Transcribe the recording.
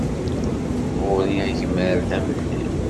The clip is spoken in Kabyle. Ɣur-i agmer d amellal.